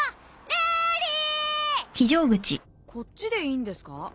こっちでいいんですか？